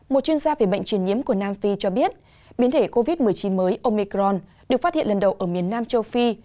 một chuyên gia về bệnh truyền nhiễm của nam phi cho biết biến thể covid một mươi chín mới omicron được phát hiện lần đầu ở miền nam châu phi